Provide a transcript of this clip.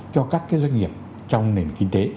cho các cái doanh nghiệp trong nền kinh tế